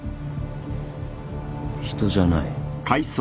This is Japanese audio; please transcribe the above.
人じゃない。